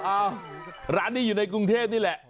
ร้านนี้อยู่ในกรุงเทพนี่แหละ